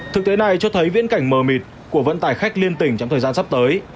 thực tế này cho thấy viễn cảnh mờ mịt của vận tải khách liên tỉnh trong thời gian sắp tới